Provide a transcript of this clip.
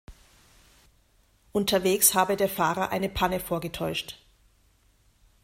Unterwegs habe der Fahrer eine Panne vorgetäuscht.